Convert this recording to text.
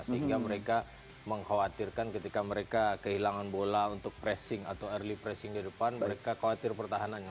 sehingga mereka mengkhawatirkan ketika mereka kehilangan bola untuk pressing atau early pressing di depan mereka khawatir pertahanannya